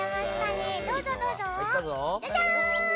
じゃじゃーん！